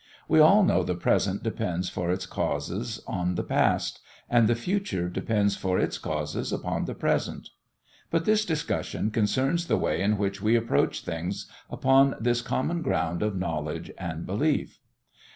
We all know the present depends for its causes on the past, and the future depends for its causes upon the present. But this discussion concerns the way in which we approach things upon this common ground of knowledge and belief.